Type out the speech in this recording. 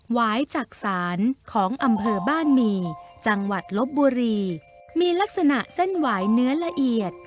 วายจักษานของอำเภอบ้านหมี่จังหวัดลบบุรีมีลักษณะเส้นหวายเนื้อละเอียด